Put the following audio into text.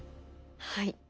はい。